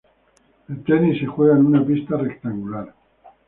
El tenis se juega en una pista rectangular.